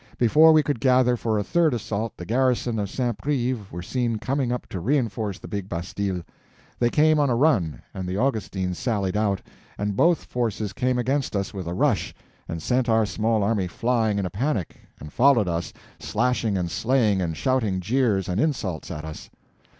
Before we could gather for a third assault the garrison of St. Prive were seen coming up to reinforce the big bastille. They came on a run, and the Augustins sallied out, and both forces came against us with a rush, and sent our small army flying in a panic, and followed us, slashing and slaying, and shouting jeers and insults at us.